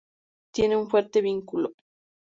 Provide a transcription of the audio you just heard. Tienen un fuerte vínculo.